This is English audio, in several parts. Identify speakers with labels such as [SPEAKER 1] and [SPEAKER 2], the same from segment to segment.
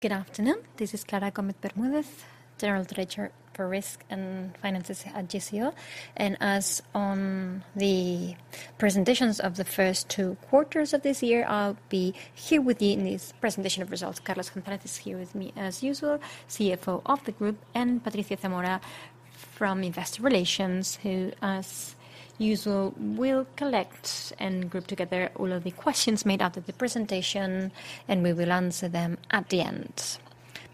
[SPEAKER 1] Good afternoon. This is Clara Gómez Bermúdez, General Treasurer for Risk and Finances at GCO. As in the presentations of the first two quarters of this year, I'll be here with you in this presentation of results. Carlos González is here with me, as usual, CFO of the group, and Patricia Zamora from Investor Relations, who, as usual, will collect and group together all of the questions made after the presentation, and we will answer them at the end.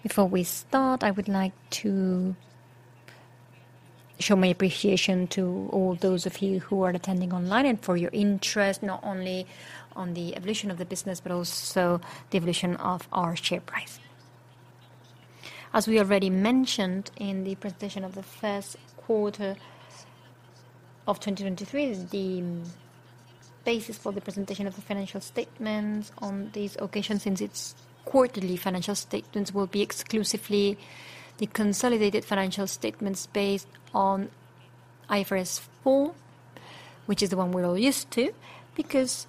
[SPEAKER 1] Before we start, I would like to show my appreciation to all those of you who are attending online and for your interest, not only on the evolution of the business, but also the evolution of our share price. As we already mentioned in the presentation of the first quarter of 2023, the basis for the presentation of the financial statements on this occasion, since it's quarterly financial statements, will be exclusively the consolidated financial statements based on IFRS 4, which is the one we're all used to. Because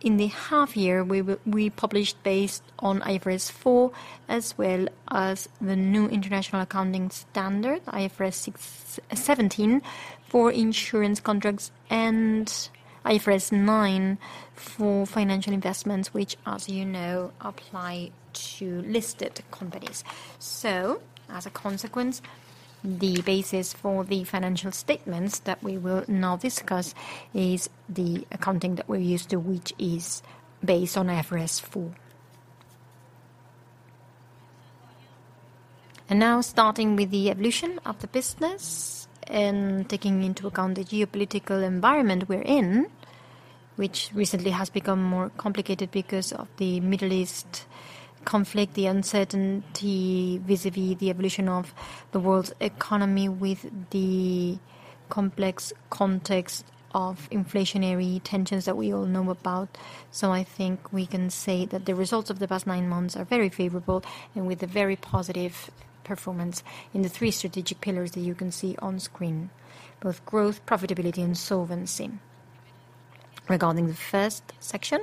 [SPEAKER 1] in the half year, we published based on IFRS 4, as well as the new international accounting standard, IFRS 17, for insurance contracts and IFRS 9 for financial investments, which, as you know, apply to listed companies. So, as a consequence, the basis for the financial statements that we will now discuss is the accounting that we're used to, which is based on IFRS 4. Now, starting with the evolution of the business and taking into account the geopolitical environment we're in, which recently has become more complicated because of the Middle East conflict, the uncertainty vis-à-vis the evolution of the world's economy, with the complex context of inflationary tensions that we all know about. I think we can say that the results of the past nine months are very favorable and with a very positive performance in the three strategic pillars that you can see on screen, both growth, profitability, and solvency. Regarding the first section,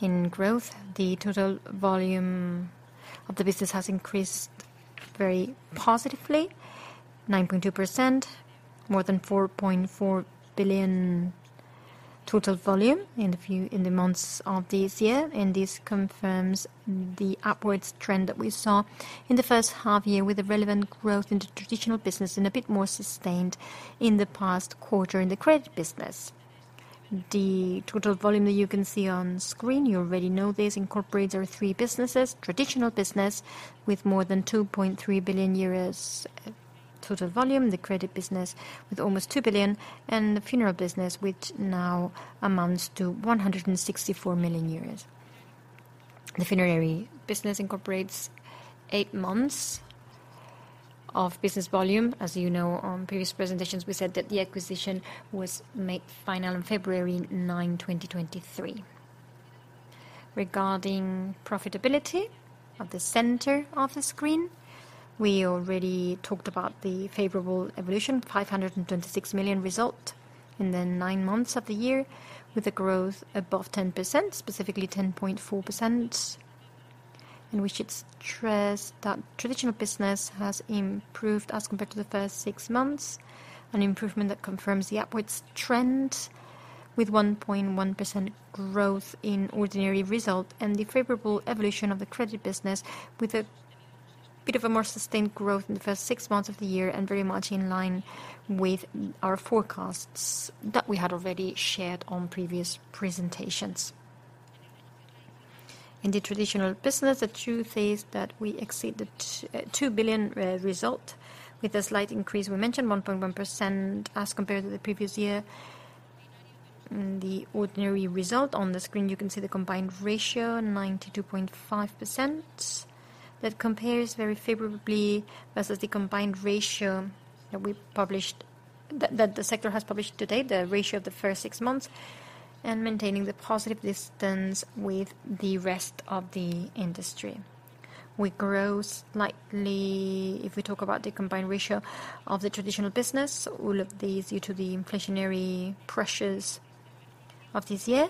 [SPEAKER 1] in growth, the total volume of the business has increased very positively, 9.2%, more than 4.4 billion total volume in the months of this year. This confirms the upward trend that we saw in the first half-year with the relevant growth in the traditional business and a bit more sustained in the past quarter in the credit business. The total volume that you can see on screen, you already know this, incorporates our three businesses: traditional business, with more than 2.3 billion euros total volume; the credit business, with almost 2 billion; and the funeral business, which now amounts to 164 million euros. The funeral business incorporates eight months of business volume. As you know, on previous presentations, we said that the acquisition was made final on February 9, 2023. Regarding profitability, at the center of the screen, we already talked about the favorable evolution, 526 million result in the nine months of the year, with a growth above 10%, specifically 10.4%. We should stress that traditional business has improved as compared to the first six months, an improvement that confirms the upwards trend with 1.1% growth in ordinary result and the favorable evolution of the credit business, with a bit of a more sustained growth in the first six months of the year and very much in line with our forecasts that we had already shared on previous presentations. In the traditional business, the truth is that we exceeded two billion result with a slight increase, we mentioned 1.1% as compared to the previous year. The ordinary result, on the screen, you can see the combined ratio, 92.5%. That compares very favorably versus the combined ratio that we published, that the sector has published to date, the ratio of the first six months, and maintaining the positive distance with the rest of the industry. We grew slightly, if we talk about the combined ratio of the traditional business, all of these due to the inflationary pressures of this year,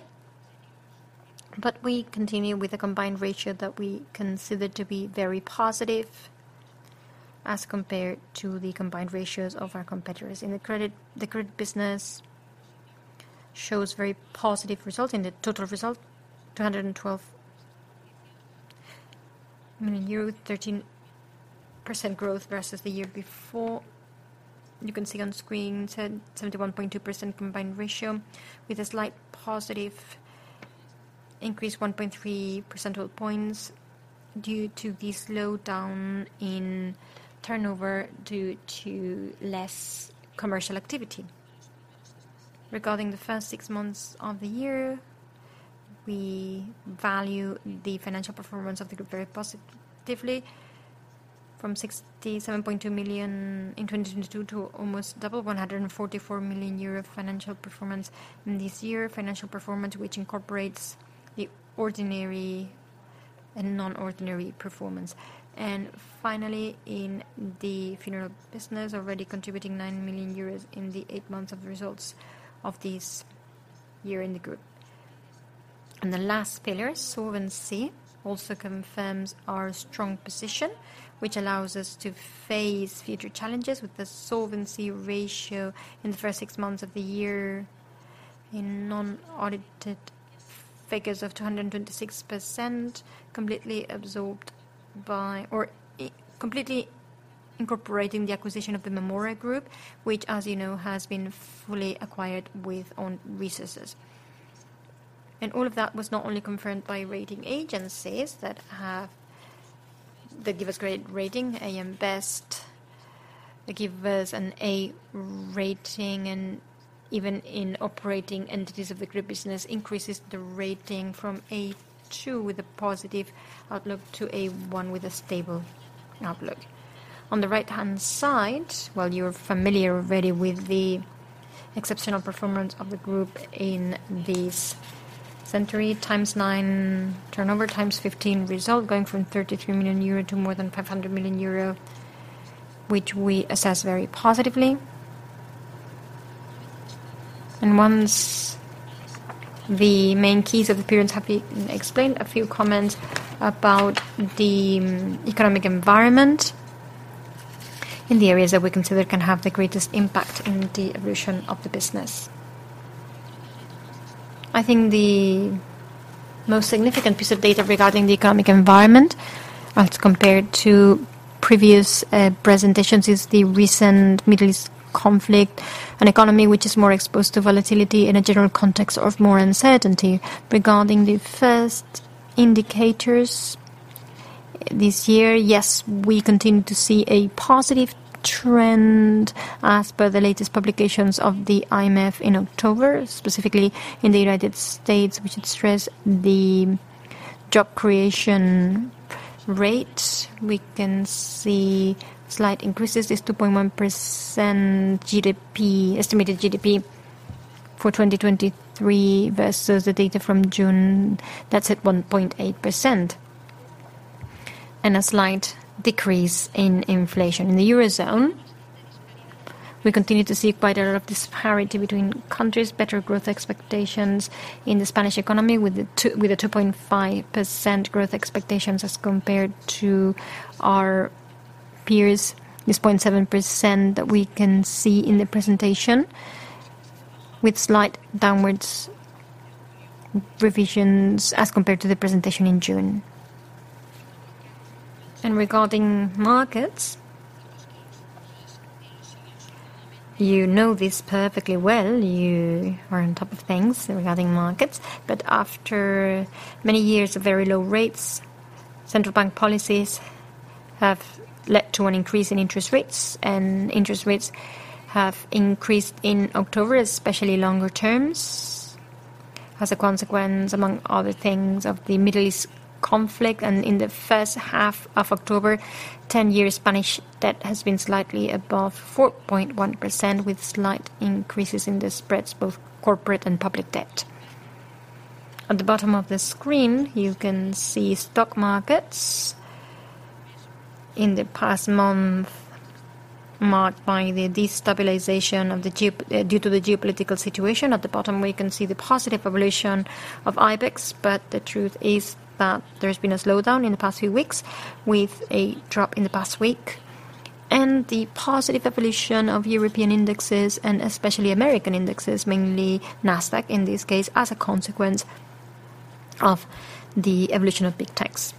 [SPEAKER 1] but we continue with a combined ratio that we consider to be very positive as compared to the combined ratios of our competitors. In the credit, the credit business shows very positive result. In the total result, 212 million euro with 13% growth versus the year before. You can see on screen, 107.12% combined ratio, with a slight positive increase, 1.3 percentage points, due to the slowdown in turnover due to less commercial activity. Regarding the first six months of the year, we value the financial performance of the group very positively, from 67.2 million in 2022 to almost double, 144 million euro financial performance in this year. Financial performance, which incorporates the ordinary and non-ordinary performance. And finally, in the funeral business, already contributing 9 million euros in the eight months of results of this year in the group. And the last pillar, solvency, also confirms our strong position, which allows us to face future challenges with the solvency ratio in the first six months of the year in non-audited figures of 226%, completely incorporating the acquisition of the Mémora Group, which, as you know, has been fully acquired with own resources. And all of that was not only confirmed by rating agencies that have, that give us great rating. AM Best, they give us an A rating, and even in operating entities of the group business, increases the rating from A2 with a positive outlook to A1 with a stable outlook. On the right-hand side, well, you're familiar already with the exceptional performance of the group in this century, 9x turnover, 15x result, going from 33 million euro to more than 500 million euro, which we assess very positively. And once the main keys of appearance have been explained, a few comments about the economic environment in the areas that we consider can have the greatest impact on the evolution of the business. I think the most significant piece of data regarding the economic environment, as compared to previous presentations, is the recent Middle East conflict, an economy which is more exposed to volatility in a general context of more uncertainty. Regarding the first indicators this year, yes, we continue to see a positive trend as per the latest publications of the IMF in October, specifically in the United States, we should stress the job creation rate. We can see slight increases, is 2.1% GDP, estimated GDP for 2023 versus the data from June. That's at 1.8%, and a slight decrease in inflation. In the Eurozone, we continue to see quite a lot of disparity between countries, better growth expectations in the Spanish economy with the two, with the 2.5% growth expectations as compared to our peers, this 0.7% that we can see in the presentation, with slight downwards revisions as compared to the presentation in June. Regarding markets, you know this perfectly well. You are on top of things regarding markets, but after many years of very low rates, central bank policies have led to an increase in interest rates, and interest rates have increased in October, especially longer terms, as a consequence, among other things, of the Middle East conflict. In the first half of October, 10-year Spanish debt has been slightly above 4.1%, with slight increases in the spreads, both corporate and public debt. At the bottom of the screen, you can see stock markets in the past month, marked by the destabilization of the geopolitical situation. At the bottom, we can see the positive evolution of IBEX, but the truth is that there's been a slowdown in the past few weeks, with a drop in the past week, and the positive evolution of European indexes and especially American indexes, mainly NASDAQ, in this case, as a consequence of the evolution of big techs.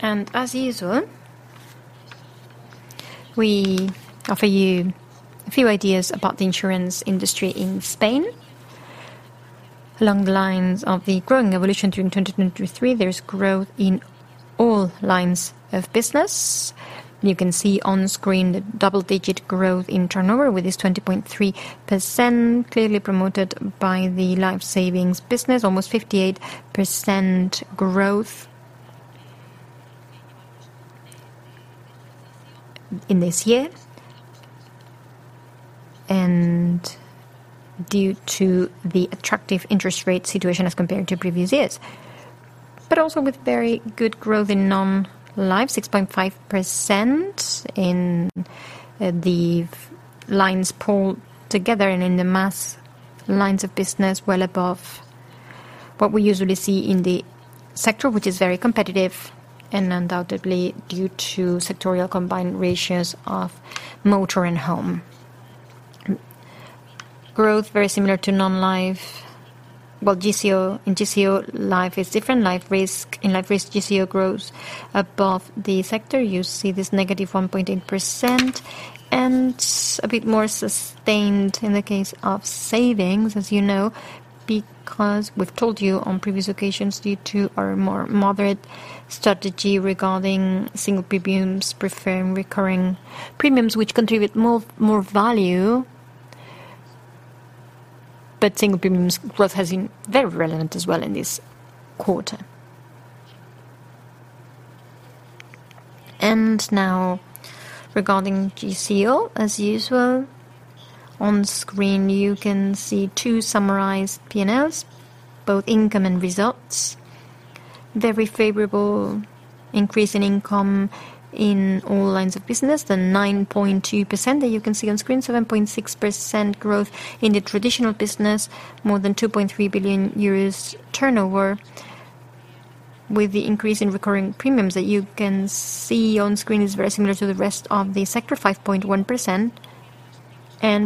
[SPEAKER 1] And as usual, we offer you a few ideas about the insurance industry in Spain. Along the lines of the growing evolution during 2023, there is growth in all lines of business. You can see on screen the double-digit growth in turnover, with this 20.3% clearly promoted by the life savings business, almost 58% growth in this year, and due to the attractive interest rate situation as compared to previous years. But also with very good growth in non-life, 6.5% in the lines pulled together and in the mass lines of business, well above what we usually see in the sector, which is very competitive and undoubtedly due to sectoral combined ratios of motor and home. Growth, very similar to non-life, well, GCO and GCO life is different. Life risk, in life risk, GCO grows above the sector. You see this -1.8% and a bit more sustained in the case of savings, as you know, because we've told you on previous occasions, due to our more moderate strategy regarding single premiums, preferring recurring premiums, which contribute more, more value. Single premiums growth has been very relevant as well in this quarter. Now, regarding GCO, as usual, on screen, you can see two summarized P&Ls, both income and results. Very favorable increase in income in all lines of business, the 9.2% that you can see on screen, 7.6% growth in the traditional business, more than 2.3 billion euros turnover, with the increase in recurring premiums that you can see on screen, is very similar to the rest of the sector, 5.1%.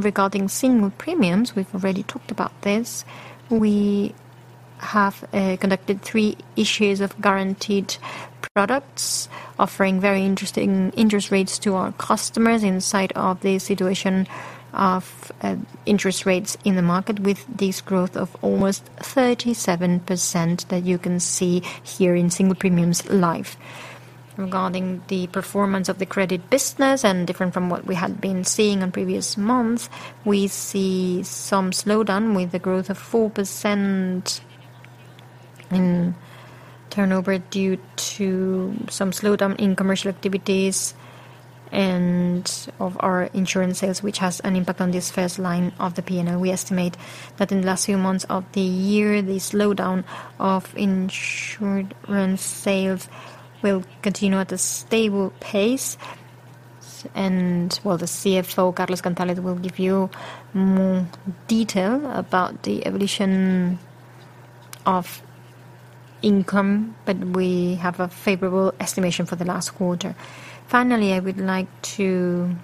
[SPEAKER 1] Regarding single premiums, we've already talked about this. We have conducted three issues of guaranteed products, offering very interesting interest rates to our customers inside of the situation of interest rates in the market, with this growth of almost 37% that you can see here in single premiums life. Regarding the performance of the credit business, and different from what we had been seeing in previous months, we see some slowdown with a growth of 4% in turnover, due to some slowdown in commercial activities and of our insurance sales, which has an impact on this first line of the P&L. We estimate that in the last few months of the year, the slowdown of insured sales will continue at a stable pace. Well, the CFO, Carlos González, will give you more detail about the evolution of income, but we have a favorable estimation for the last quarter. Finally, I would like to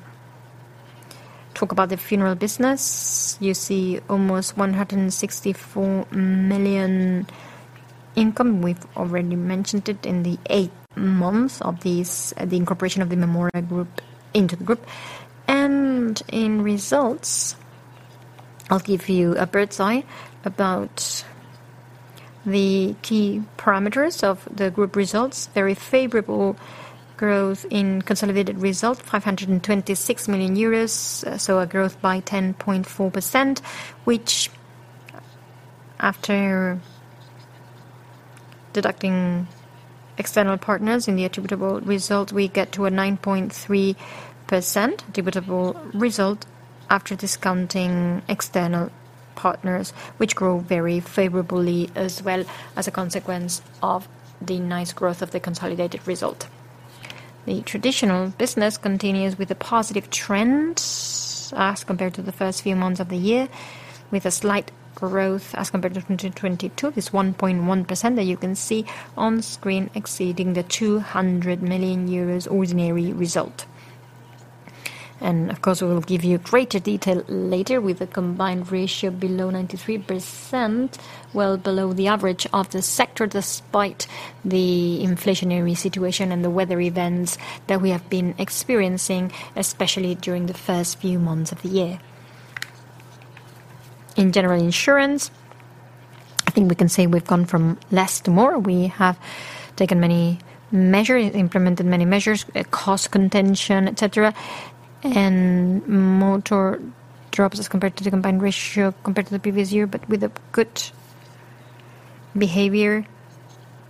[SPEAKER 1] talk about the funeral business. You see almost 164 million income. We've already mentioned it in the eight months of this, the incorporation of the Mémora Group into the group. And in results, I'll give you a bird's-eye about the key parameters of the group results. Very favorable growth in consolidated results, 526 million euros, so a growth by 10.4%, which after deducting external partners in the attributable result, we get to a 9.3% attributable result after discounting external partners, which grew very favorably, as well as a consequence of the nice growth of the consolidated result. The traditional business continues with the positive trends as compared to the first few months of the year, with a slight growth as compared to 2022. This 1.1% that you can see on screen, exceeding the 200 million euros ordinary result. Of course, we will give you greater detail later, with a combined ratio below 93%, well below the average of the sector, despite the inflationary situation and the weather events that we have been experiencing, especially during the first few months of the year. In general insurance, I think we can say we've gone from less to more. We have taken many measures, implemented many measures, cost contention, etc., and more drops as compared to the Combined Ratio compared to the previous year, but with a good behavior,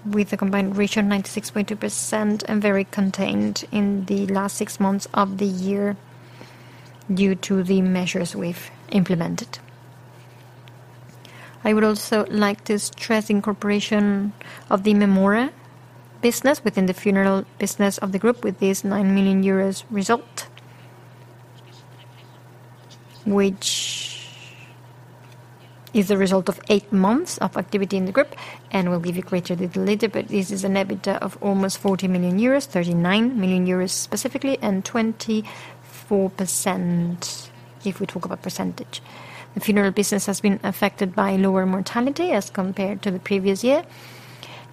[SPEAKER 1] with a Combined Ratio of 96.2% and very contained in the last six months of the year due to the measures we've implemented. I would also like to stress the incorporation of the Mémora business within the funeral business of the group, with this 9 million euros result, which is a result of eight months of activity in the group, and we'll give you greater detail later. But this is an EBITDA of almost 40 million euros, 39 million euros specifically, and 24%, if we talk about percentage. The funeral business has been affected by lower mortality as compared to the previous year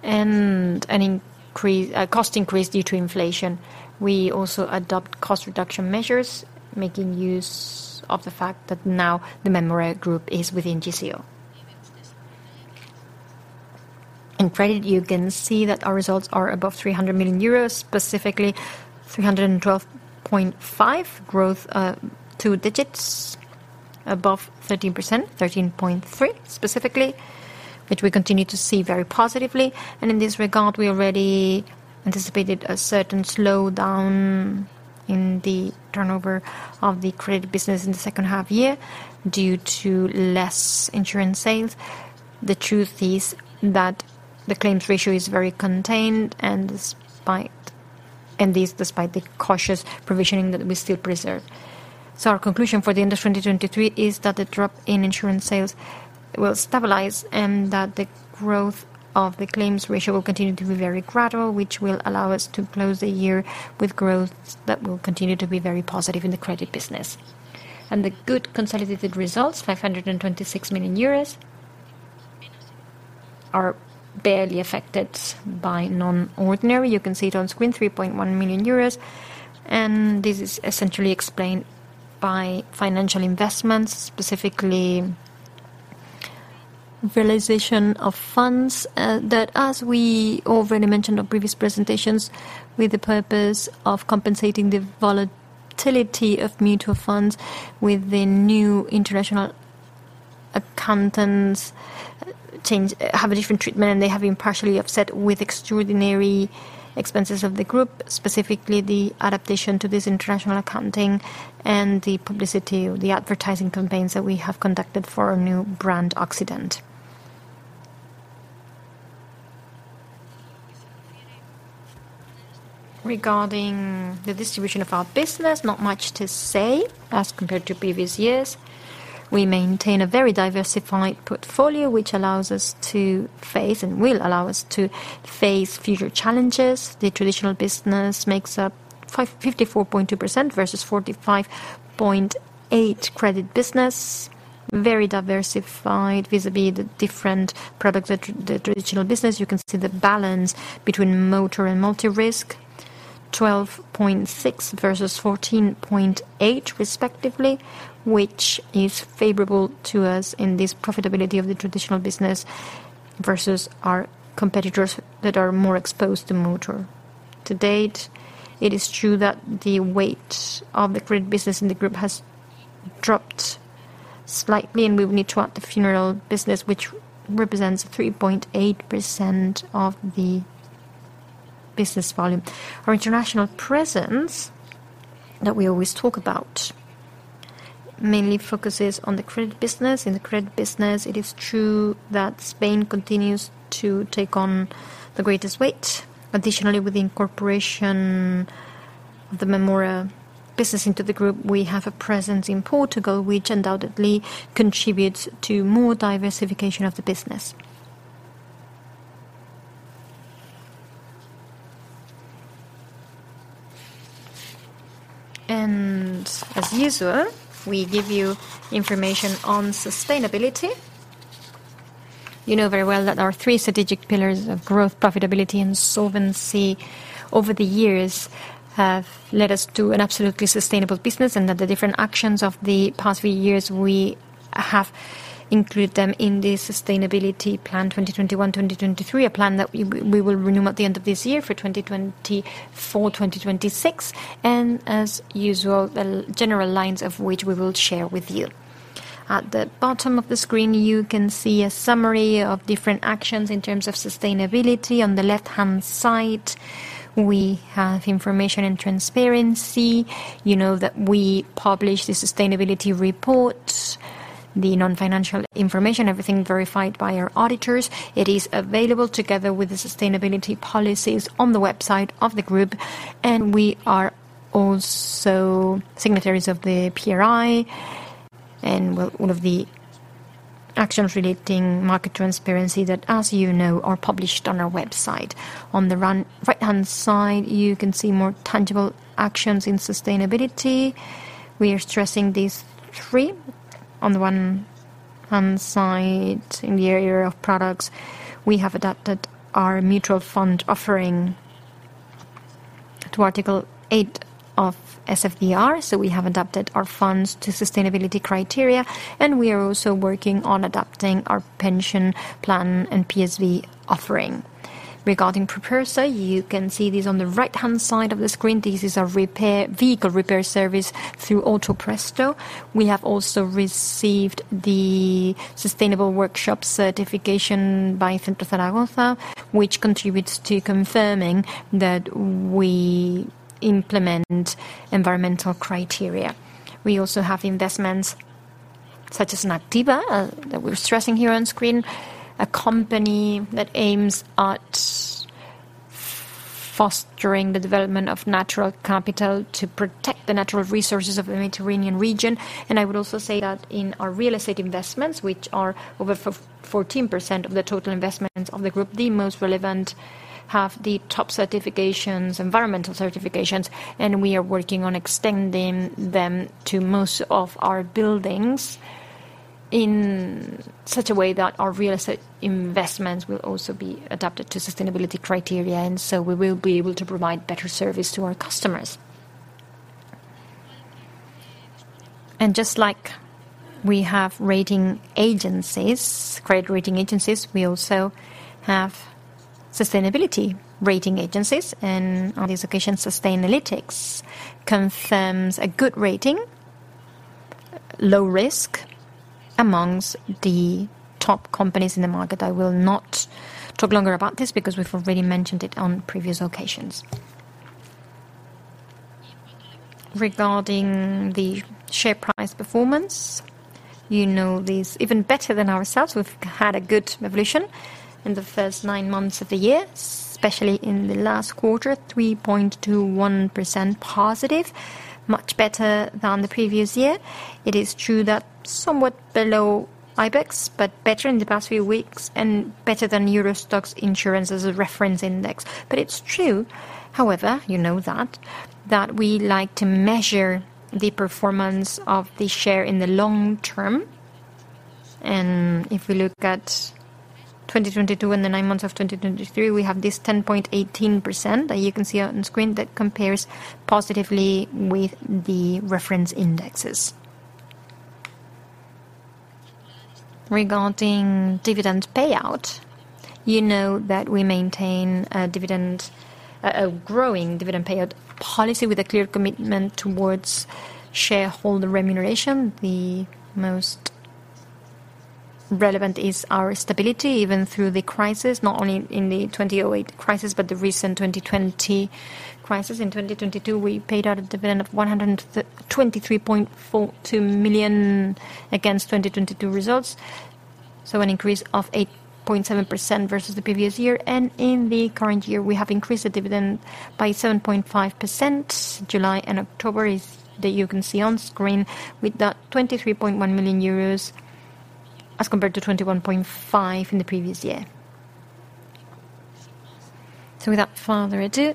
[SPEAKER 1] and an increase, a cost increase due to inflation. We also adopt cost reduction measures, making use of the fact that now the Mémora Group is within GCO. In credit, you can see that our results are above 300 million euros, specifically 312.5 million. Growth, two digits, above 13%, 13.3%, specifically, which we continue to see very positively. And in this regard, we already anticipated a certain slowdown in the turnover of the credit business in the second half year due to less insurance sales. The truth is that the claims ratio is very contained, and despite - and this despite the cautious provisioning that we still preserve. So our conclusion for the end of 2023 is that the drop in insurance sales will stabilize, and that the growth of the claims ratio will continue to be very gradual, which will allow us to close the year with growth that will continue to be very positive in the credit business. And the good consolidated results, 526 million euros, are barely affected by non-ordinary. You can see it on screen, 3.1 million euros, and this is essentially explained by financial investments, specifically realization of funds, that, as we already mentioned on previous presentations, with the purpose of compensating the volatility of mutual funds with the new international accounting changes, have a different treatment, and they have been partially offset with extraordinary expenses of the group. Specifically, the adaptation to this international accounting and the publicity or the advertising campaigns that we have conducted for our new brand, Occident. Regarding the distribution of our business, not much to say as compared to previous years. We maintain a very diversified portfolio, which allows us to face, and will allow us to face future challenges. The traditional business makes up 54.2% versus 45.8% credit business. Very diversified vis-à-vis the different products that the traditional business, you can see the balance between motor and multi-risk, 12.6% versus 14.8%, respectively, which is favorable to us in this profitability of the traditional business versus our competitors that are more exposed to motor. To date, it is true that the weight of the credit business in the group has dropped slightly, and we will need to add the funeral business, which represents 3.8% of the business volume. Our international presence, that we always talk about, mainly focuses on the credit business. In the credit business, it is true that Spain continues to take on the greatest weight. Additionally, with the incorporation of the Mémora business into the group, we have a presence in Portugal, which undoubtedly contributes to more diversification of the business. As usual, we give you information on sustainability. You know very well that our three strategic pillars of growth, profitability, and solvency over the years have led us to an absolutely sustainable business, and that the different actions of the past few years, we have included them in the Sustainability Plan 2021-2023. A plan that we will renew at the end of this year for 2024-2026, and as usual, the general lines of which we will share with you. At the bottom of the screen, you can see a summary of different actions in terms of sustainability. On the left-hand side, we have information and transparency. You know that we publish the sustainability reports, the non-financial information, everything verified by our auditors. It is available together with the sustainability policies on the website of the group, and we are also signatories of the PRI. Well, all of the actions relating to market transparency that, as you know, are published on our website. On the right-hand side, you can see more tangible actions in sustainability. We are stressing these three. On the one hand side, in the area of products, we have adapted our mutual fund offering to Article 8 of SFDR, so we have adapted our funds to sustainability criteria, and we are also working on adapting our pension plan and EPSV offering. Regarding Prepersa, you can see this on the right-hand side of the screen. This is a repair, vehicle repair service through AutoPresto. We have also received the Sustainable Workshop Certification by Centro Zaragoza, which contributes to confirming that we implement environmental criteria. We also have investments, such as Nativa, that we're stressing here on screen, a company that aims at fostering the development of natural capital to protect the natural resources of the Mediterranean region. I would also say that in our real estate investments, which are over for fourteen percent of the total investments of the group, the most relevant, have the top certifications, environmental certifications, and we are working on extending them to most of our buildings in such a way that our real estate investments will also be adapted to sustainability criteria, and so we will be able to provide better service to our customers. Just like we have rating agencies, credit rating agencies, we also have sustainability rating agencies. On this occasion, Sustainalytics confirms a good rating, low risk amongst the top companies in the market. I will not talk longer about this because we've already mentioned it on previous occasions. Regarding the share price performance, you know this even better than ourselves. We've had a good evolution in the first nine months of the year, especially in the last quarter, 3.21% positive, much better than the previous year. It is true that somewhat below IBEX, but better in the past few weeks and better than Euro Stoxx Insurance as a reference index. But it's true, however, you know that, that we like to measure the performance of the share in the long term. And if we look at 2022 and the nine months of 2023, we have this 10.18%, that you can see on screen, that compares positively with the reference indexes. Regarding dividend payout, you know that we maintain a growing dividend payout policy with a clear commitment towards shareholder remuneration. The most relevant is our stability, even through the crisis, not only in the 2008 crisis, but the recent 2020 crisis. In 2022, we paid out a dividend of 123.42 million against 2022 results. So an increase of 8.7% versus the previous year, and in the current year, we have increased the dividend by 7.5%. July and October is, that you can see on screen, with that 23.1 million euros, as compared to 21.5 million in the previous year. So without further ado,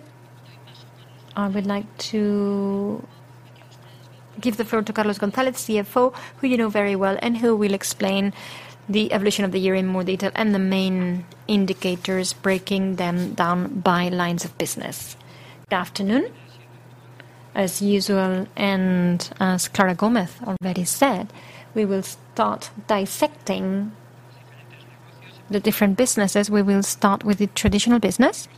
[SPEAKER 1] I would like to give the floor to Carlos González, CFO, who you know very well, and who will explain the evolution of the year in more detail and the main indicators, breaking them down by lines of business.
[SPEAKER 2] Good afternoon. As usual, and as Clara Gómez already said, we will start dissecting the different businesses. We will start with the traditional business.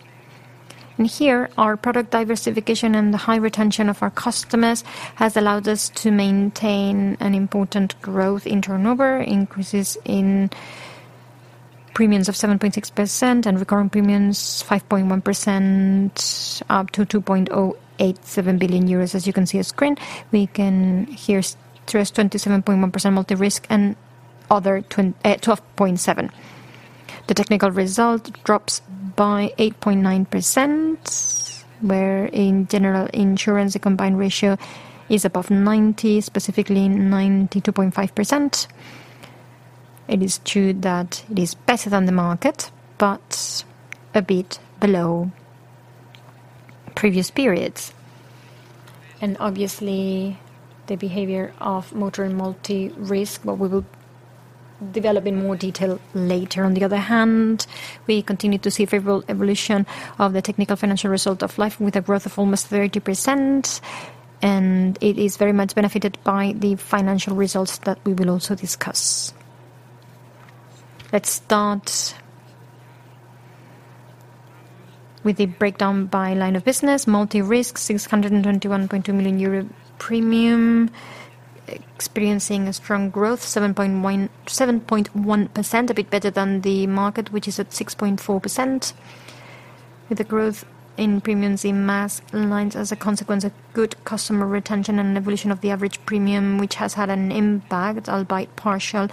[SPEAKER 2] Here, our product diversification and the high retention of our customers has allowed us to maintain an important growth in turnover, increases in premiums of 7.6% and recurring premiums 5.1%, up to 2.087 billion euros, as you can see on screen. Here's 27.1% multi-risk and other 12.7. The technical result drops by 8.9%, where in general insurance, the combined ratio is above 90, specifically 92.5%. It is true that it is better than the market, but a bit below previous periods. Obviously, the behavior of motor and multi-risk, but we will develop in more detail later. On the other hand, we continue to see favorable evolution of the technical financial result of life, with a growth of almost 30%, and it is very much benefited by the financial results that we will also discuss. Let's start with a breakdown by line of business. Multi-risk, 621.2 million euro premium, experiencing a strong growth, 7.1, 7.1%, a bit better than the market, which is at 6.4%, with the growth in premiums in mass lines as a consequence of good customer retention and an evolution of the average premium, which has had an impact, albeit partial,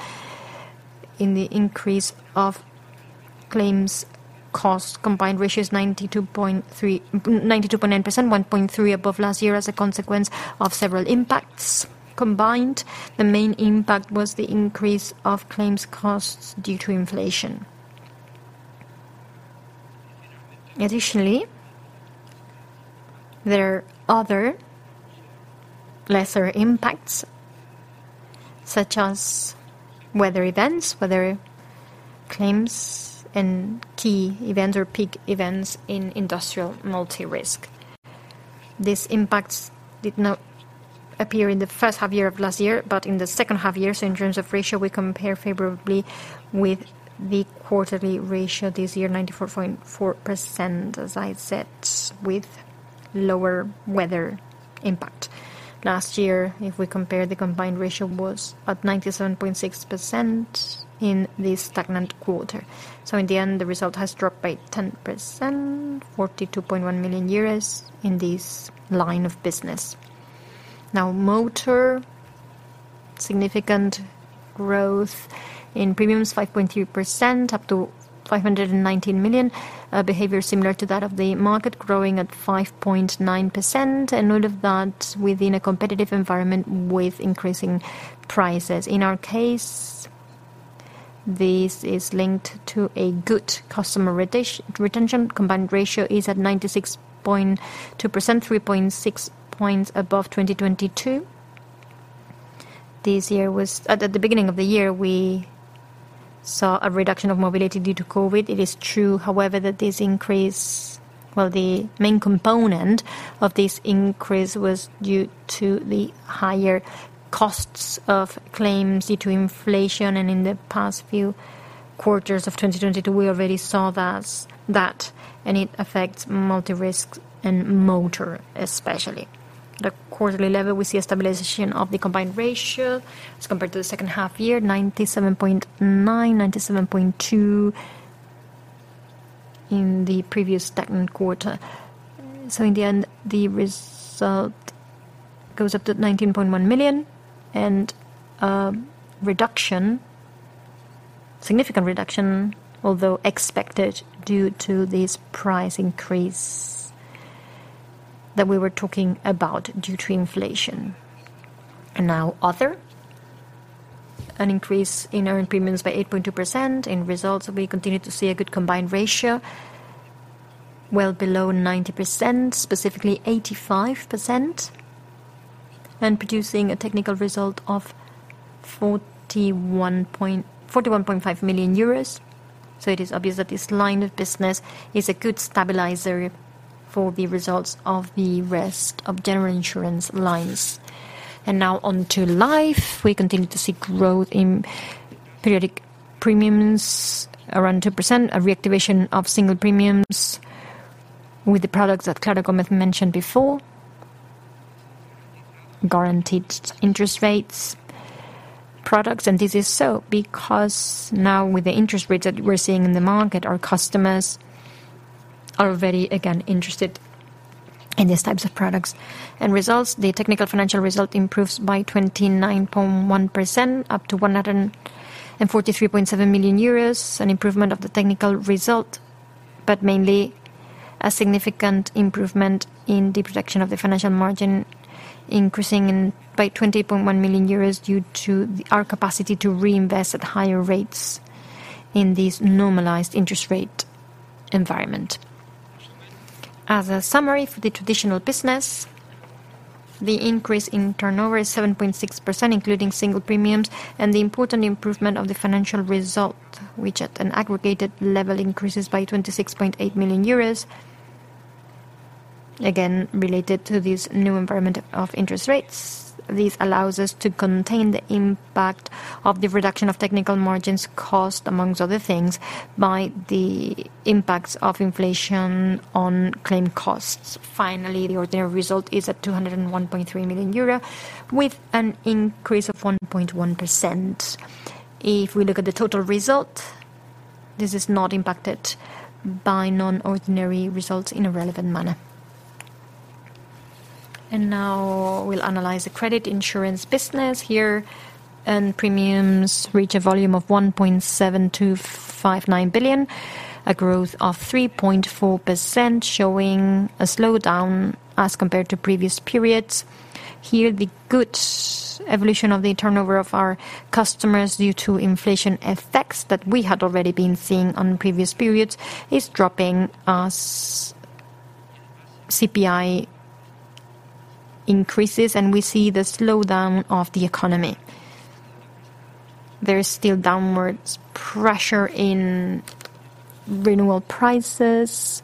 [SPEAKER 2] in the increase of claims costs. Combined ratio is 92.9%, 1.3 above last year as a consequence of several impacts. Combined, the main impact was the increase of claims costs due to inflation. Additionally, there are other lesser impacts, such as weather events, weather claims and key events or peak events in industrial multi-risk. These impacts did not appear in the first half year of last year, but in the second half year. So in terms of ratio, we compare favorably with the quarterly ratio this year, 94.4%, as I said, with lower weather impact. Last year, if we compare, the combined ratio was at 97.6% in this stagnant quarter. So in the end, the result has dropped by 10%, 42.1 million euros in this line of business. Now, motor, significant growth in premiums, 5.3%, up to 519 million. Behavior similar to that of the market, growing at 5.9%, and all of that within a competitive environment with increasing prices. In our case, this is linked to a good customer retention. Combined ratio is at 96.2%, 3.6 points above 2022. This year was at the beginning of the year, we saw a reduction of mobility due to COVID. It is true, however, that this increase, well, the main component of this increase was due to the higher costs of claims due to inflation. And in the past few quarters of 2022, we already saw that, and it affects multi-risk and motor, especially. The quarterly level, we see a stabilization of the combined ratio as compared to the second half year, 97.9, 97.2 in the previous stagnant quarter. So in the end, the result goes up to 19.1 million and reduction, significant reduction, although expected, due to this price increase that we were talking about due to inflation. And now other. An increase in earned premiums by 8.2%. In results, we continue to see a good combined ratio, well below 90%, specifically 85%, and producing a technical result of 41.5 million euros. So it is obvious that this line of business is a good stabilizer for the results of the rest of general insurance lines. And now on to life. We continue to see growth in periodic premiums, around 2%, a reactivation of single premiums with the products that Clara Gómez mentioned before, guaranteed interest rates, products. This is so because now with the interest rates that we're seeing in the market, our customers are very, again, interested... in these types of products. Results, the technical financial result improves by 29.1%, up to 143.7 million euros, an improvement of the technical result, but mainly a significant improvement in the protection of the financial margin, increasing in, by 20.1 million euros due to our capacity to reinvest at higher rates in this normalized interest rate environment. As a summary for the traditional business, the increase in turnover is 7.6%, including single premiums, and the important improvement of the financial result, which at an aggregated level, increases by 26.8 million euros, again, related to this new environment of interest rates. This allows us to contain the impact of the reduction of technical margins cost, amongst other things, by the impacts of inflation on claim costs. Finally, the ordinary result is at 201.3 million euro, with an increase of 1.1%. If we look at the total result, this is not impacted by non-ordinary results in a relevant manner. Now we'll analyze the credit insurance business here, and premiums reach a volume of 1.7259 billion, a growth of 3.4%, showing a slowdown as compared to previous periods. Here, the good evolution of the turnover of our customers due to inflation effects that we had already been seeing on previous periods, is dropping as CPI increases, and we see the slowdown of the economy. There is still downward pressure in renewal prices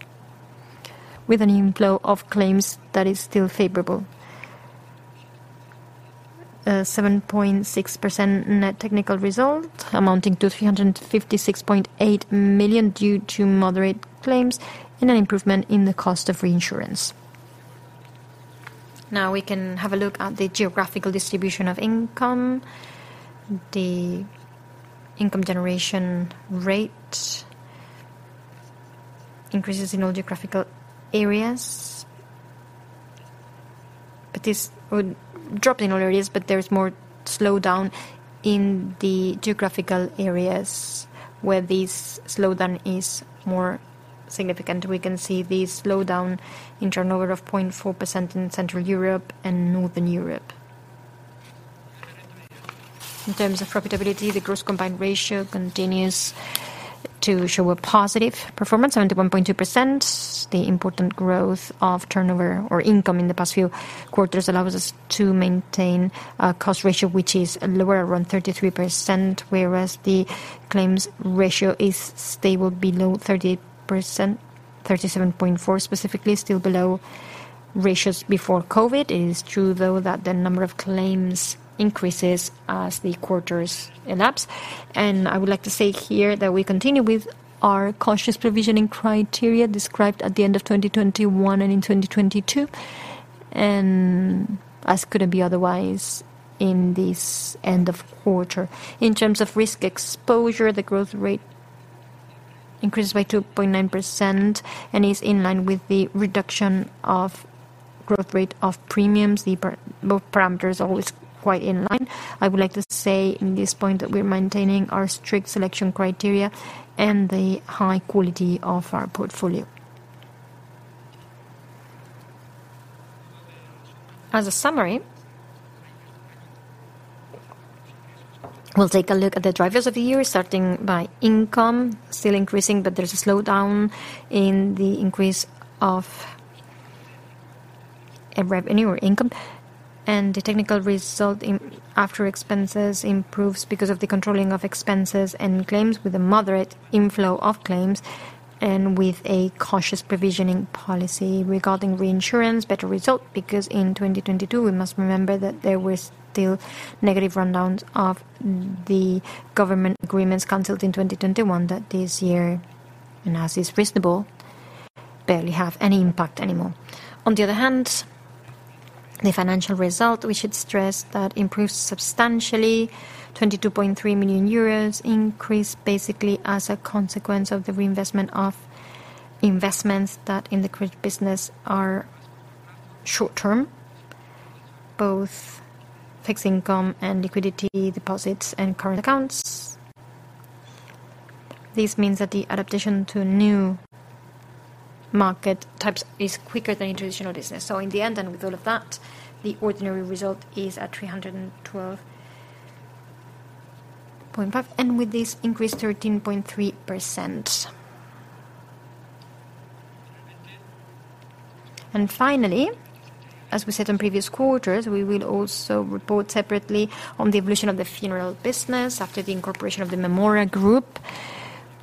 [SPEAKER 2] with an inflow of claims that is still favorable. 7.6% net technical result, amounting to 356.8 million, due to moderate claims and an improvement in the cost of reinsurance. Now, we can have a look at the geographical distribution of income. The income generation rate increases in all geographical areas, but this would drop in all areas, but there is more slowdown in the geographical areas where this slowdown is more significant. We can see the slowdown in turnover of 0.4% in Central Europe and Northern Europe. In terms of profitability, the gross combined ratio continues to show a positive performance, 71.2%. The important growth of turnover or income in the past few quarters allows us to maintain cost ratio, which is lower, around 33%, whereas the claims ratio is stable below 30%, 37.4% specifically, still below ratios before COVID. It is true, though, that the number of claims increases as the quarters elapse. And I would like to say here that we continue with our cautious provisioning criteria described at the end of 2021 and in 2022, and as couldn't be otherwise, in this end of quarter. In terms of risk exposure, the growth rate increases by 2.9% and is in line with the reduction of growth rate of premiums. Both parameters are always quite in line. I would like to say in this point that we're maintaining our strict selection criteria and the high quality of our portfolio. As a summary, we'll take a look at the drivers of the year, starting by income, still increasing, but there's a slowdown in the increase of a revenue or income, and the technical result in, after expenses improves because of the controlling of expenses and claims with a moderate inflow of claims and with a cautious provisioning policy. Regarding reinsurance, better result, because in 2022, we must remember that there were still negative rundowns of the government agreements canceled in 2021, that this year, and as is reasonable, barely have any impact anymore. On the other hand, the financial result, we should stress, that improves substantially. 22.3 million euros increase, basically as a consequence of the reinvestment of investments that in the credit business are short term, both fixed income and liquidity deposits and current accounts. This means that the adaptation to new market types is quicker than in traditional business. In the end, with all of that, the ordinary result is at 312.5, and with this increase, 13.3%. Finally, as we said in previous quarters, we will also report separately on the evolution of the funeral business. After the incorporation of the Mémora Group,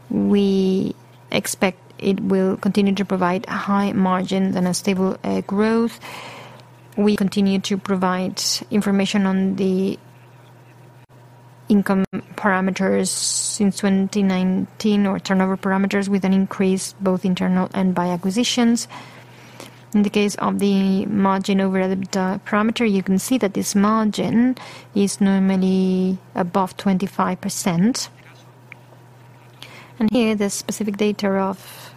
[SPEAKER 2] we expect it will continue to provide high margins and stable growth. We continue to provide information on the income parameters since 2019, or turnover parameters, with an increase both internal and by acquisitions. In the case of the margin over the, the parameter, you can see that this margin is normally above 25%.... And here, the specific data of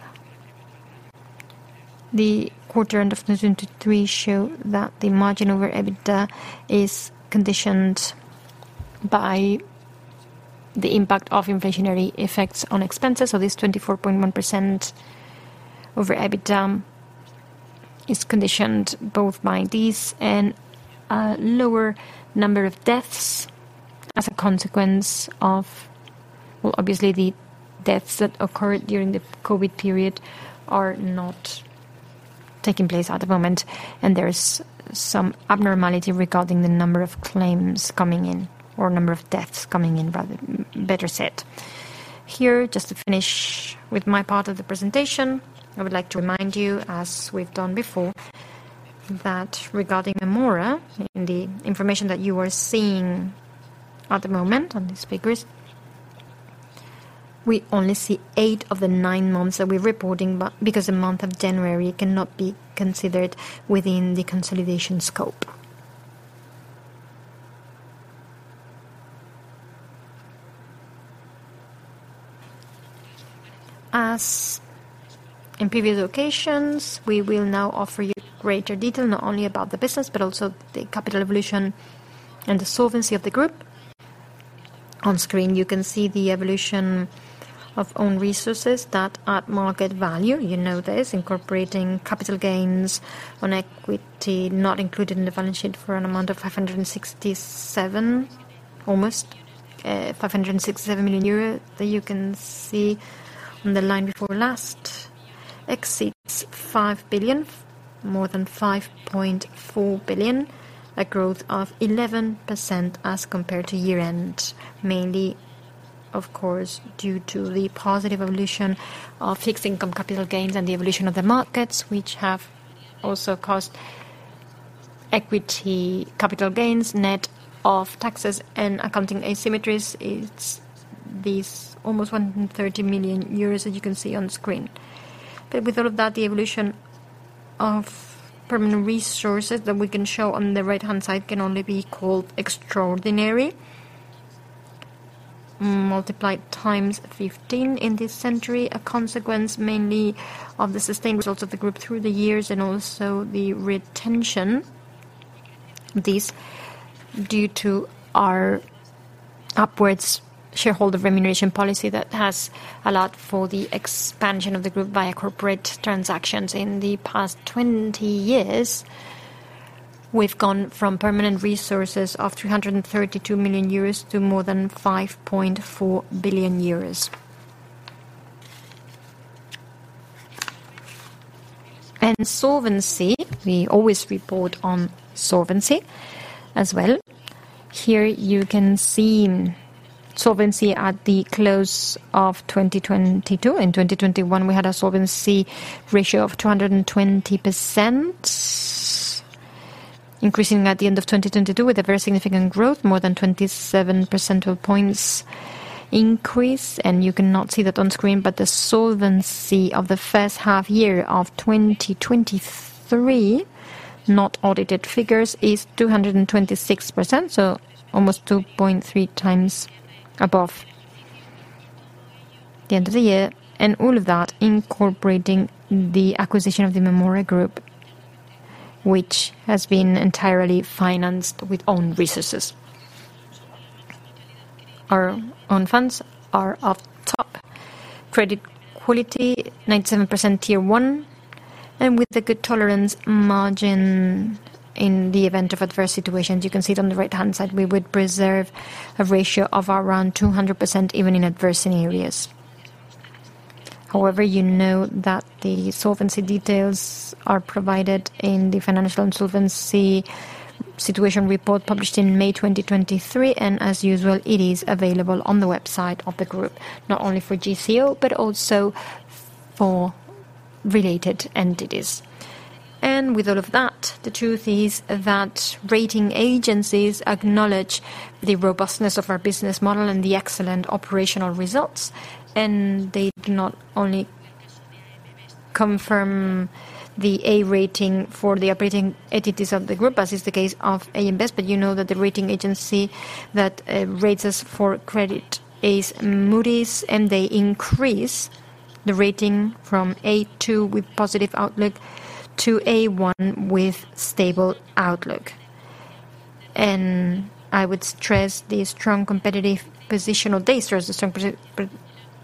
[SPEAKER 2] the quarter end of 2023 show that the margin over EBITDA is conditioned by the impact of inflationary effects on expenses. So this 24.1% over EBITDA is conditioned both by this and, lower number of deaths as a consequence of - Well, obviously, the deaths that occurred during the COVID period are not taking place at the moment, and there's some abnormality regarding the number of claims coming in or number of deaths coming in, rather, better said. Here, just to finish with my part of the presentation, I would like to remind you, as we've done before, that regarding Mémora, and the information that you are seeing at the moment on these figures, we only see eight of the nine months that we're reporting, but because the month of January cannot be considered within the consolidation scope. As in previous occasions, we will now offer you greater detail, not only about the business, but also the capital evolution and the solvency of the group. On screen, you can see the evolution of own resources that at market value, you know this, incorporating capital gains on equity, not included in the balance sheet for an amount of almost 567 million euro, that you can see on the line before last, exceeds 5 billion, more than 5.4 billion, a growth of 11% as compared to year-end. Mainly, of course, due to the positive evolution of fixed income capital gains and the evolution of the markets, which have also caused equity capital gains, net of taxes and accounting asymmetries, it's almost 130 million euros, as you can see on screen. But with all of that, the evolution of permanent resources that we can show on the right-hand side can only be called extraordinary, multiplied 15 times in this century, a consequence mainly of the sustained results of the group through the years, and also the retention. This, due to our upwards shareholder remuneration policy that has allowed for the expansion of the group by corporate transactions. In the past 20 years, we've gone from permanent resources of 332 million euros to more than 5.4 billion euros. And solvency, we always report on solvency as well. Here, you can see solvency at the close of 2022. In 2021, we had a solvency ratio of 220%, increasing at the end of 2022 with a very significant growth, more than 27 percentage points increase. You cannot see that on screen, but the solvency of the first half year of 2023, not audited figures, is 226%, so almost 2.3 times above the end of the year. All of that, incorporating the acquisition of the Mémora group, which has been entirely financed with own resources. Our own funds are of top credit quality, 97% Tier 1, and with a good tolerance margin in the event of adverse situations. You can see it on the right-hand side. We would preserve a ratio of around 200%, even in adversity areas. However, you know that the solvency details are provided in the financial and solvency situation report, published in May 2023, and as usual, it is available on the website of the group, not only for GCO, but also for related entities. With all of that, the truth is that rating agencies acknowledge the robustness of our business model and the excellent operational results, and they do not only confirm the A rating for the operating entities of the group, as is the case of AM Best, but you know that the rating agency that rates us for credit is Moody's, and they increase the rating from A2 with positive outlook to A1 with stable outlook. I would stress the strong competitive position of data as a strong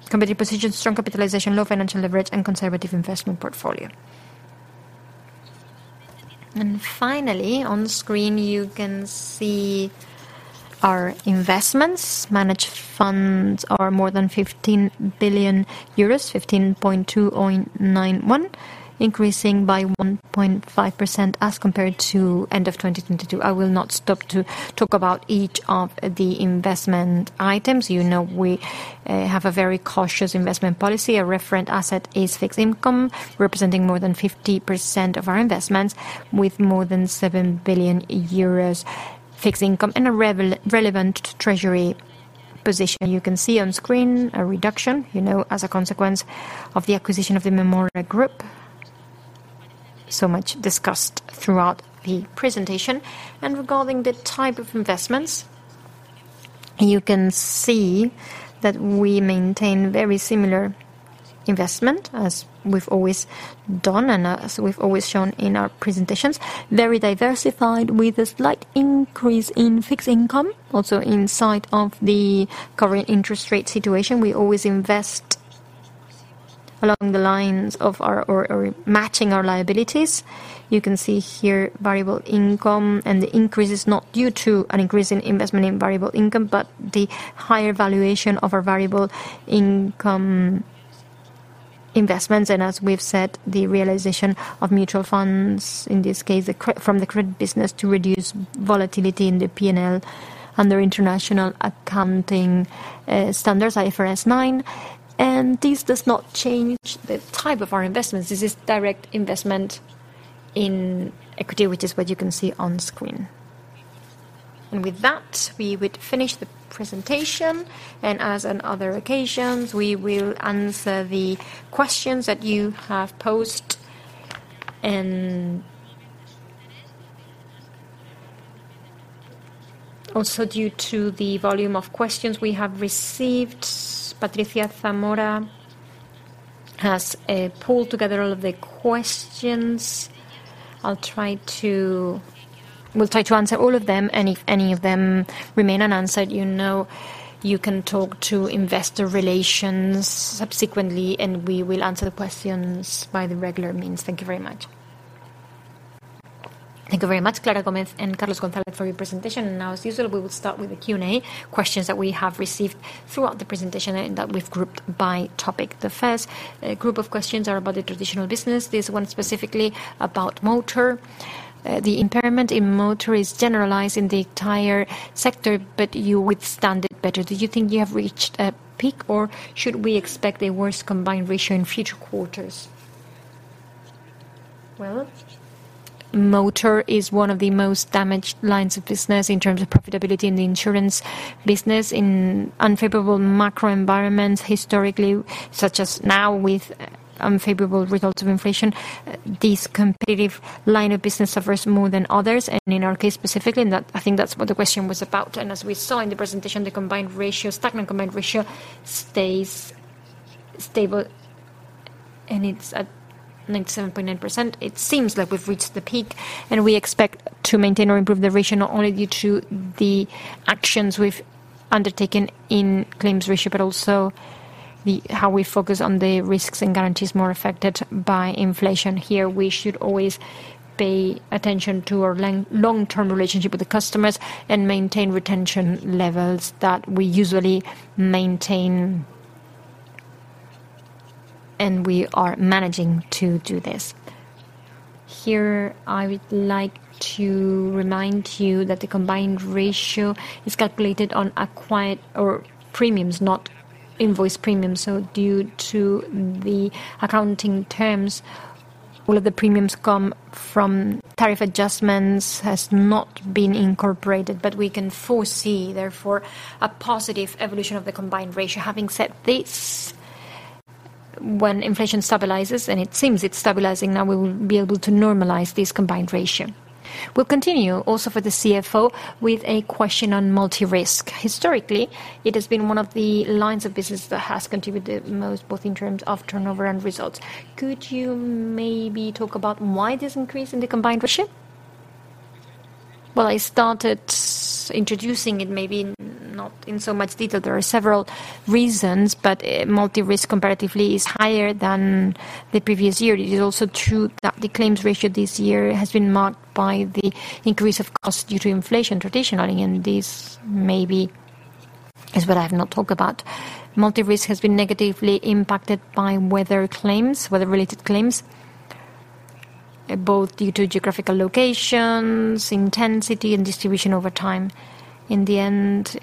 [SPEAKER 2] competitive position, strong capitalization, low financial leverage, and conservative investment portfolio. Finally, on the screen, you can see our investments. Managed funds are more than 15 billion euros, EUR 15.2.91 billion, increasing by 1.5% as compared to end of 2022. I will not stop to talk about each of the investment items. You know, we have a very cautious investment policy. A referent asset is fixed income, representing more than 50% of our investments, with more than 7 billion euros fixed income and a relevant treasury position. You can see on screen a reduction, you know, as a consequence of the acquisition of the Mémora group, so much discussed throughout the presentation. And regarding the type of investments, you can see that we maintain very similar investment as we've always done and as we've always shown in our presentations. Very diversified, with a slight increase in fixed income. Also, in sight of the current interest rate situation, we always invest along the lines of our, or, or matching our liabilities. You can see here variable income, and the increase is not due to an increase in investment in variable income, but the higher valuation of our variable income investments. As we've said, the realization of mutual funds, in this case, from the credit business to reduce volatility in the P&L under international accounting standards, IFRS 9. This does not change the type of our investments. This is direct investment in equity, which is what you can see on screen.
[SPEAKER 1] With that, we would finish the presentation, and as on other occasions, we will answer the questions that you have posed. Also, due to the volume of questions we have received, Patricia Zamora has pulled together all of the questions. I'll try to—we'll try to answer all of them, and if any of them remain unanswered, you know you can talk to investor relations subsequently, and we will answer the questions by the regular means. Thank you very much.
[SPEAKER 3] Thank you very much, Clara Gómez Bermúdez and Carlos González, for your presentation. And now, as usual, we will start with the Q&A, questions that we have received throughout the presentation and that we've grouped by topic. The first group of questions are about the traditional business, this one specifically about motor. The impairment in motor is generalized in the entire sector, but you withstand it better. Do you think you have reached a peak, or should we expect a worse Combined Ratio in future quarters?
[SPEAKER 1] Well, motor is one of the most damaged lines of business in terms of profitability in the insurance business. In unfavorable macro environments, historically, such as now with unfavorable results of inflation, this competitive line of business suffers more than others, and in our case, specifically, and that, I think that's what the question was about. As we saw in the presentation, the combined ratio, stagnant combined ratio, stays stable, and it's at 97.9%. It seems like we've reached the peak, and we expect to maintain or improve the ratio, not only due to the actions we've undertaken in claims ratio, but also how we focus on the risks and guarantees more affected by inflation. Here, we should always pay attention to our long-term relationship with the customers and maintain retention levels that we usually maintain, and we are managing to do this.
[SPEAKER 3] Here, I would like to remind you that the combined ratio is calculated on acquired or premiums, not invoice premiums. So due to the accounting terms, all of the premiums come from tariff adjustments, has not been incorporated, but we can foresee, therefore, a positive evolution of the combined ratio. Having said this, when inflation stabilizes, and it seems it's stabilizing, now we will be able to normalize this Combined Ratio. We'll continue, also for the CFO, with a question on multi-risk. Historically, it has been one of the lines of business that has contributed the most, both in terms of turnover and results. Could you maybe talk about why this increase in the Combined Ratio?
[SPEAKER 2] Well, I started introducing it, maybe not in so much detail. There are several reasons, but multi-risk comparatively is higher than the previous year. It is also true that the claims ratio this year has been marked by the increase of costs due to inflation traditionally, and this maybe is what I've not talked about. Multi-risk has been negatively impacted by weather claims, weather-related claims, both due to geographical locations, intensity and distribution over time. In the end,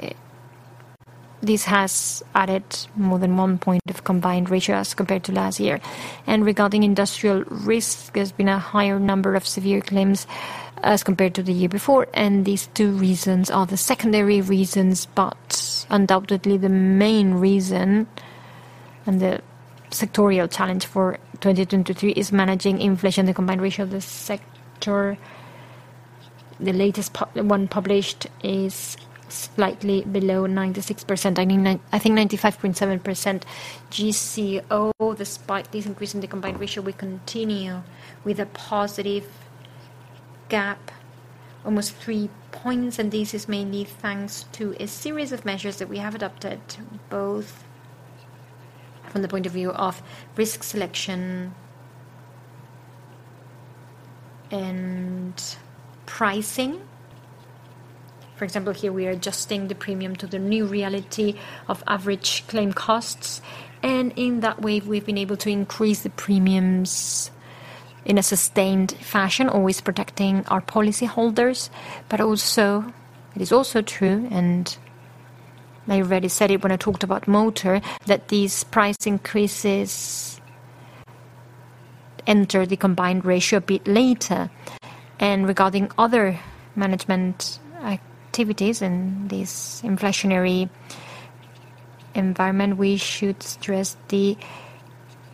[SPEAKER 2] this has added more than 1 point of combined ratio as compared to last year. And regarding industrial risk, there's been a higher number of severe claims as compared to the year before, and these two reasons are the secondary reasons. But undoubtedly, the main reason and the sectoral challenge for 2022-2023 is managing inflation, the combined ratio of the sector. The latest one published is slightly below 96%. I mean, I think 95.7%. GCO, despite this increase in the combined ratio, we continue with a positive gap, almost 3 points, and this is mainly thanks to a series of measures that we have adopted, both from the point of view of risk selection and pricing. For example, here we are adjusting the premium to the new reality of average claim costs, and in that way, we've been able to increase the premiums in a sustained fashion, always protecting our policyholders. But also, it is also true, and I already said it when I talked about motor, that these price increases enter the Combined Ratio a bit later. And regarding other management activities and this inflationary environment, we should stress the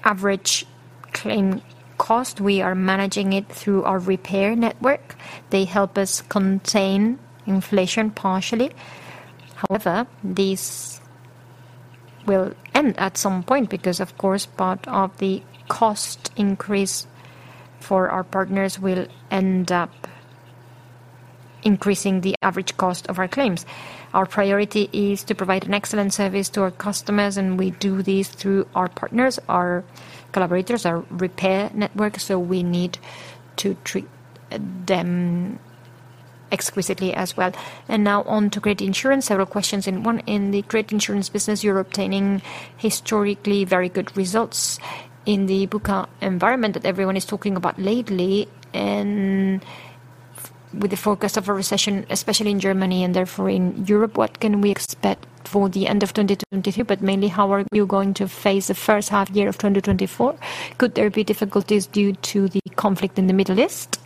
[SPEAKER 2] average claim cost. We are managing it through our repair network. They help us contain inflation partially. However, this will end at some point, because, of course, part of the cost increase for our partners will end up increasing the average cost of our claims. Our priority is to provide an excellent service to our customers, and we do this through our partners, our collaborators, our repair network, so we need to treat them exquisitely as well.
[SPEAKER 3] Now on to credit insurance, several questions. In one, in the credit insurance business, you're obtaining historically very good results. In the VUCA environment that everyone is talking about lately, and with the focus of a recession, especially in Germany and therefore in Europe, what can we expect for the end of 2022? Mainly, how are you going to face the first half year of 2024? Could there be difficulties due to the conflict in the Middle East?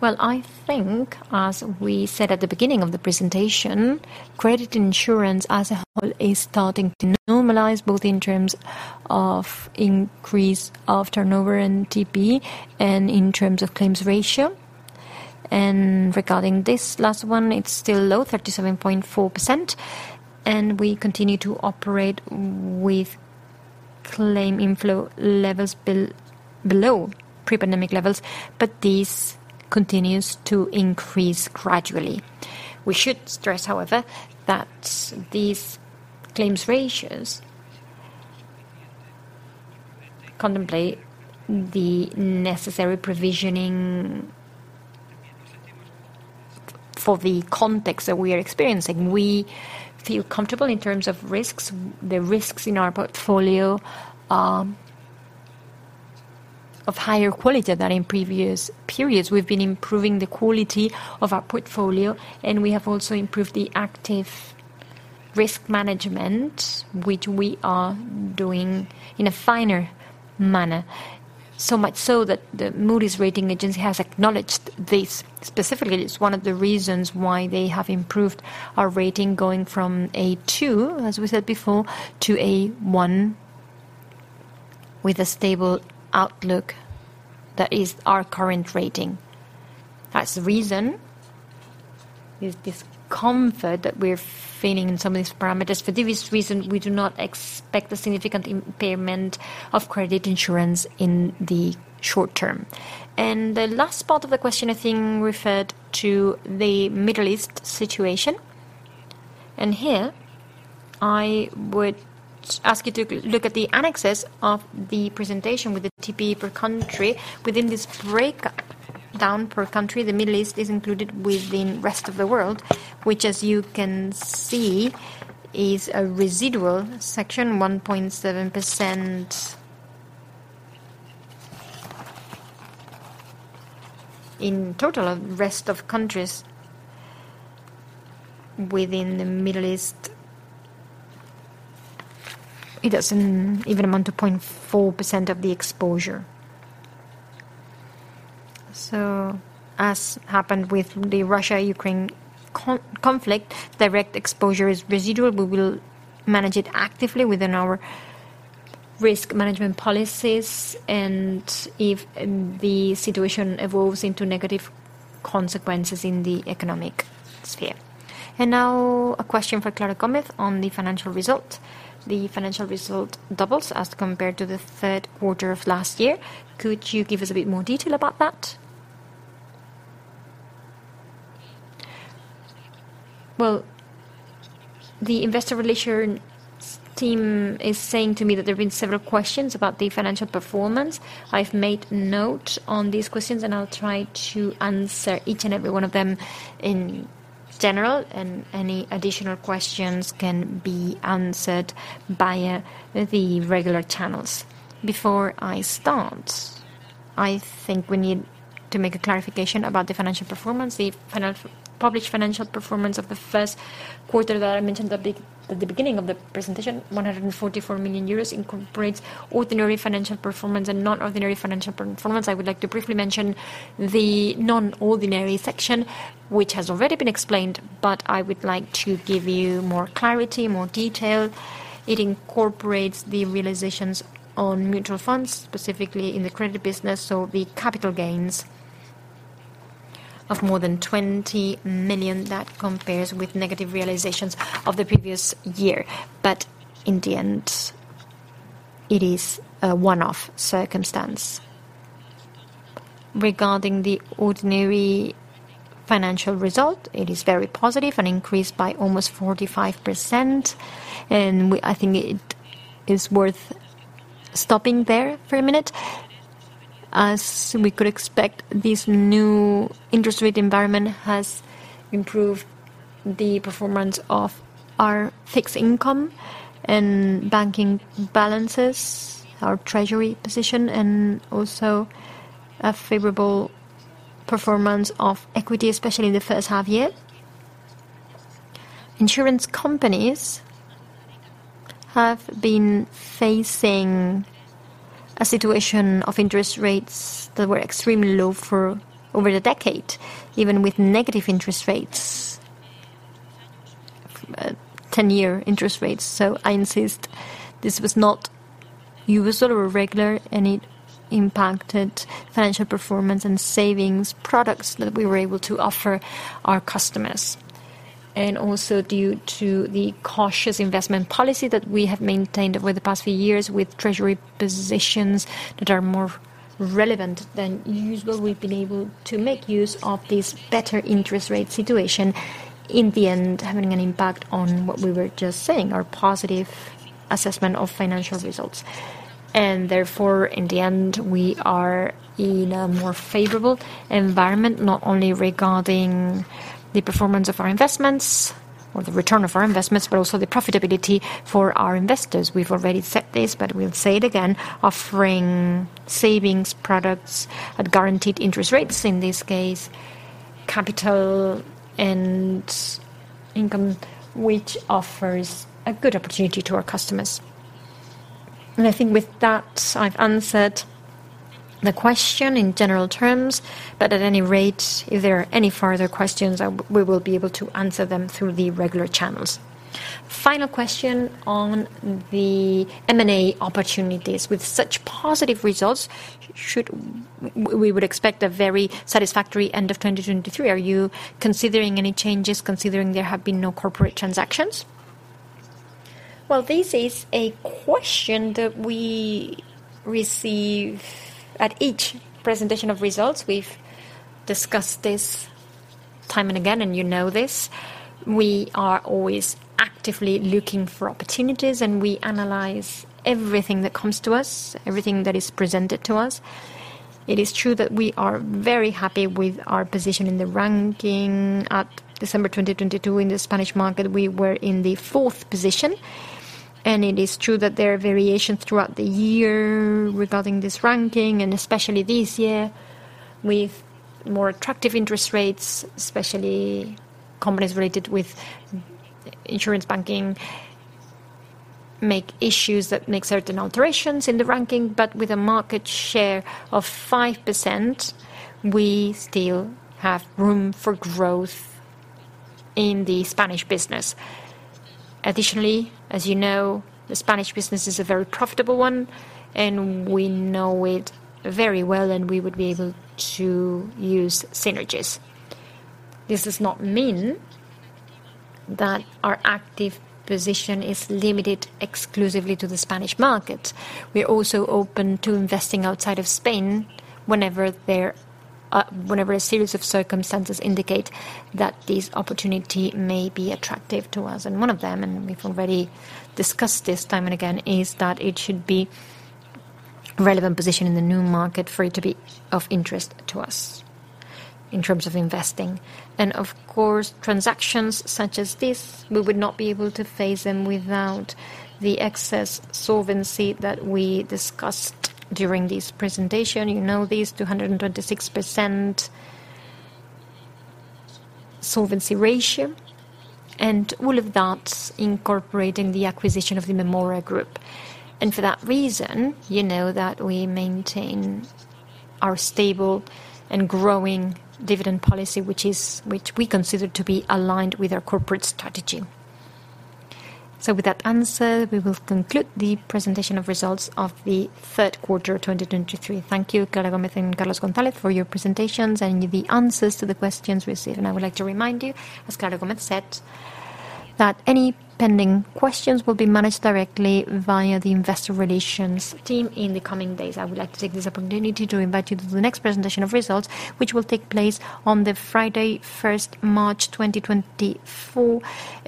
[SPEAKER 1] Well, I think, as we said at the beginning of the presentation, credit insurance as a whole is starting to normalize, both in terms of increase of turnover and TP, and in terms of claims ratio. Regarding this last one, it's still low, 37.4%, and we continue to operate with claim inflow levels below pre-pandemic levels, but this continues to increase gradually. We should stress, however, that these claims ratios contemplate the necessary provisioning for the context that we are experiencing. We feel comfortable in terms of risks. The risks in our portfolio, of higher quality than in previous periods. We've been improving the quality of our portfolio, and we have also improved the active risk management, which we are doing in a finer manner. So much so, that the Moody's rating agency has acknowledged this. Specifically, it's one of the reasons why they have improved our rating, going from A2, as we said before, to A1, with a stable outlook. That is our current rating. That's the reason, is this comfort that we're feeling in some of these parameters. For this reason, we do not expect a significant impairment of credit insurance in the short term. The last part of the question, I think, referred to the Middle East situation. I would ask you to look at the annexes of the presentation with the TP per country. Within this breakdown per country, the Middle East is included within rest of the world, which, as you can see, is a residual section, 1.7% in total of rest of countries within the Middle East. It doesn't even amount to 0.4% of the exposure. As happened with the Russia-Ukraine conflict, direct exposure is residual. We will manage it actively within our risk management policies, and if the situation evolves into negative consequences in the economic sphere.
[SPEAKER 3] Now, a question for Clara Gómez on the financial result. The financial result doubles as compared to the third quarter of last year. Could you give us a bit more detail about that?
[SPEAKER 1] Well, the Investor Relations team is saying to me that there have been several questions about the financial performance. I've made note on these questions, and I'll try to answer each and every one of them in general, and any additional questions can be answered via the regular channels. Before I start, I think we need to make a clarification about the financial performance. The published financial performance of the first quarter that I mentioned at the beginning of the presentation, 144 million euros, incorporates ordinary financial performance and non-ordinary financial performance. I would like to briefly mention the non-ordinary section, which has already been explained, but I would like to give you more clarity, more detail. It incorporates the realizations on mutual funds, specifically in the credit business, so the capital gains of more than 20 million. That compares with negative realizations of the previous year. But in the end, it is a one-off circumstance. Regarding the ordinary financial result, it is very positive, an increase by almost 45%, and I think it is worth stopping there for a minute. As we could expect, this new interest rate environment has improved the performance of our fixed income and banking balances, our treasury position, and also a favorable performance of equity, especially in the first half year. Insurance companies have been facing a situation of interest rates that were extremely low for over a decade, even with negative interest rates, 10-year interest rates. So I insist, this was not usual or regular, and it impacted financial performance and savings products that we were able to offer our customers. Also, due to the cautious investment policy that we have maintained over the past few years, with treasury positions that are more relevant than usual, we've been able to make use of this better interest rate situation, in the end, having an impact on what we were just saying, our positive assessment of financial results. And therefore, in the end, we are in a more favorable environment, not only regarding the performance of our investments or the return of our investments, but also the profitability for our investors. We've already said this, but we'll say it again, offering savings products at guaranteed interest rates, in this case, capital and income, which offers a good opportunity to our customers. And I think with that, I've answered the question in general terms, but at any rate, if there are any further questions, we will be able to answer them through the regular channels.
[SPEAKER 3] Final question on the M&A opportunities. With such positive results, should we expect a very satisfactory end of 2023. Are you considering any changes, considering there have been no corporate transactions?
[SPEAKER 1] Well, this is a question that we receive at each presentation of results. We've discussed this time and again, and you know this. We are always actively looking for opportunities, and we analyze everything that comes to us, everything that is presented to us. It is true that we are very happy with our position in the ranking. At December 2022, in the Spanish market, we were in the fourth position, and it is true that there are variations throughout the year regarding this ranking, and especially this year, with more attractive interest rates, especially companies related with insurance banking, make issues that make certain alterations in the ranking. But with a market share of 5%, we still have room for growth in the Spanish business. Additionally, as you know, the Spanish business is a very profitable one, and we know it very well, and we would be able to use synergies. This does not mean that our active position is limited exclusively to the Spanish market. We're also open to investing outside of Spain whenever there, whenever a series of circumstances indicate that this opportunity may be attractive to us. And one of them, and we've already discussed this time and again, is that it should be relevant position in the new market for it to be of interest to us in terms of investing. And of course, transactions such as this, we would not be able to face them without the excess solvency that we discussed during this presentation. You know, this 226% solvency ratio, and all of that incorporating the acquisition of the Mémora Group. And for that reason, you know that we maintain our stable and growing dividend policy, which is-- which we consider to be aligned with our corporate strategy.
[SPEAKER 3] With that answer, we will conclude the presentation of results of the third quarter of 2023. Thank you, Clara Gómez and Carlos González, for your presentations and the answers to the questions received. I would like to remind you, as Clara Gómez said, that any pending questions will be managed directly via the Investor Relations team in the coming days. I would like to take this opportunity to invite you to the next presentation of results, which will take place on the Friday, 1st March 2024,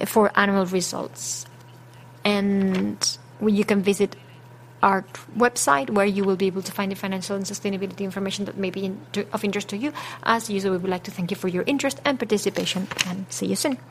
[SPEAKER 3] for annual results. Well, you can visit our website, where you will be able to find the financial and sustainability information that may be of interest to you. As usual, we would like to thank you for your interest and participation, and see you soon.